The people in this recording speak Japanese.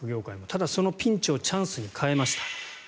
ただ、そのピンチをチャンスに変えました。